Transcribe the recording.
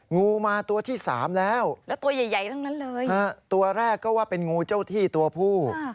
งูมาตัวที่๓แล้วตัวแรกก็ว่าเป็นงูเจ้าที่ตัวผู้